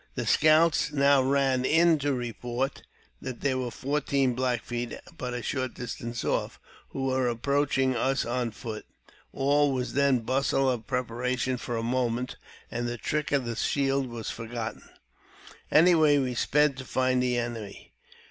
'The scouts now ran in to report that there were fourteen Black Feet but a short distance off, who were approaching us 220 AUTOBIOGBAPHY OF on foot. All was then bustle of preparation for a moment; and the trick of the shield was forgotten. Away we sped to find the enemy.